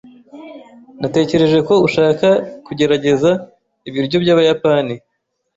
Natekereje ko ushaka kugerageza ibiryo byabayapani.